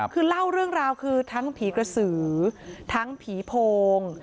คือเล่าเรื่องราวคือทั้งผีกระสือทั้งผีโพง